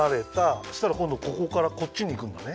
そしたらこんどここからこっちにいくんだね。